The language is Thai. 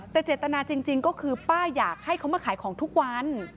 แต่เจตนาจริงก็คือป้าอยากให้เขามาขายของทุกวัน